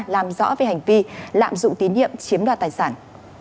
làm rõ về hành vi lạm dụng tín nhiệm chiếm đoạt tài sản